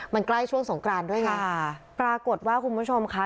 มันใกล้ช่วงสงกรานด้วยไงปรากฏว่าคุณผู้ชมค่ะ